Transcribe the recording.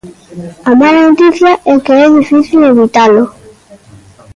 A mala noticia é que é difícil evitalo.